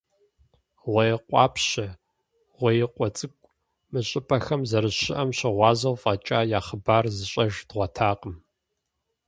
«Гъуей къуапщэ», «Гъуеикъуэ цӀыкӀу» – мы щӀыпӀэхэр зэрыщыӀэм щыгъуазэу фӀэкӀа, я хъыбар зыщӀэж дгъуэтакъым.